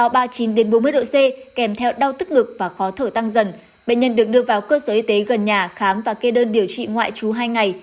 bệnh nhân được đưa vào cơ sở y tế gần nhà khám và kê đơn điều trị ngoại trú hai ngày